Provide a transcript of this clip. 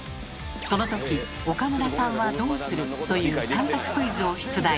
そのとき岡村さんはどうする？という３択クイズを出題。